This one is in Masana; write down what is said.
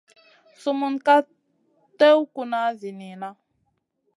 Sumun ka tèw kuna zi niyna.